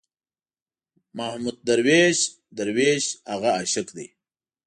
محمود درویش، درویش هغه عاشق دی.